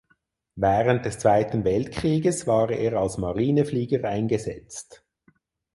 Während des Zweiten Weltkrieges war er als Marineflieger eingesetzt.